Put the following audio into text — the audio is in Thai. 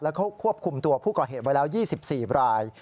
เขาควบคุมตัวผู้ก่อเหตุไว้แล้ว๒๔ราย